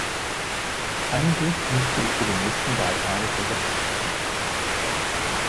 Eigentlich müsste ich für die nächsten drei Tage gesättigt sein.